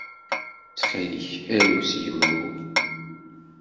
Ttxil-k, aru s yemru.